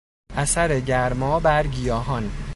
اثر گرما بر گیاهان